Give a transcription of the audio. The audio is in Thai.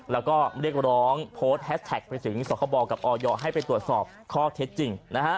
แล้วก็เรียกร้องโพสต์แฮสแท็กไปถึงสคบกับออยให้ไปตรวจสอบข้อเท็จจริง